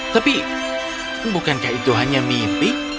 tapi bukankah itu hanya mimpi